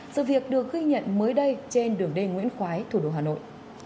sự việc được ghi nhận mới đây trên đường đê nguyễn khói thủ đô hà nội